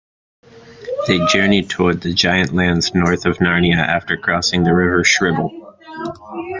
They journey toward the giant-lands north of Narnia after crossing the River Shribble.